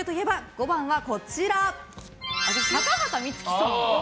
５番は、高畑充希さん。